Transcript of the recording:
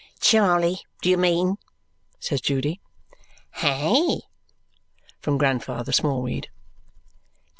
"Charley, do you mean?" says Judy. "Hey?" from Grandfather Smallweed.